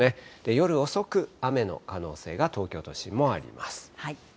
夜遅く、雨の可能性が東京都心もあります。